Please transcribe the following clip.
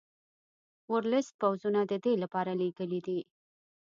ورلسټ پوځونه د دې لپاره لېږلي دي.